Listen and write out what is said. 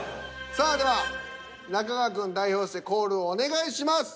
さあでは中川くん代表してコールをお願いします。